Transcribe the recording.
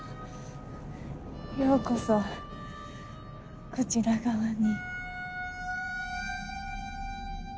ようこそこちら側に。